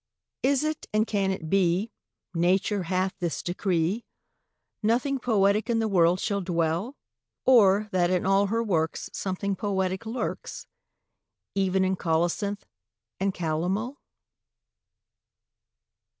Is it, and can it be, Nature hath this decree, Nothing poetic in the world shall dwell? Or that in all her works Something poetic lurks, Even in colocynth and calomel?